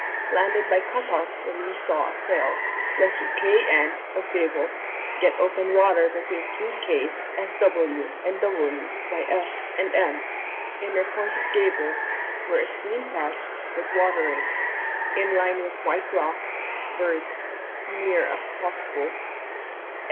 Landed by cuttar when wee saw a sail. Lesser Kay N. of Gable. Get open water between two kays S.W. and W. by S., and N. inner point of Gable (where is green patch, good watering) in line with white rock (birds), neer as posble.